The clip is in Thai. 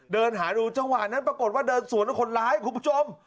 เดินหาดูจังหวะนั้นปรากฏว่าเดินสวนคนร้ายคุณผู้ชม